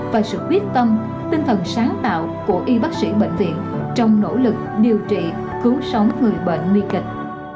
và sự quyết tâm tinh thần sáng tạo của y bác sĩ bệnh viện trong nỗ lực điều trị cứu sống người bệnh nguy kịch